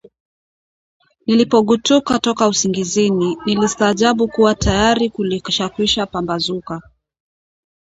"Nilipogutuka toka usingizini, nilistaajabu kuwa tayari kulikwisha pambazuka"